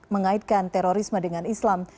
mengaitkan terorisme dengan islam